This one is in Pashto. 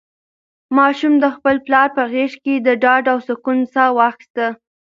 ماشوم د خپل پلار په غېږ کې د ډاډ او سکون ساه واخیسته.